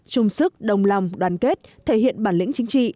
chung sức đồng lòng đoàn kết thể hiện bản lĩnh chính trị